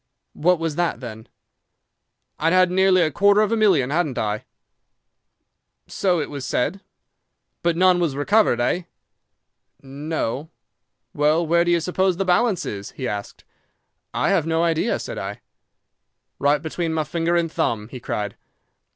"'"What was that, then?" "'"I'd had nearly a quarter of a million, hadn't I?" "'"So it was said." "'"But none was recovered, eh?" "'"No." "'"Well, where d'ye suppose the balance is?" he asked. "'"I have no idea," said I. "'"Right between my finger and thumb," he cried.